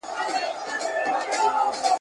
لويي زامې، لویه خېټه پنډ ورنونه ..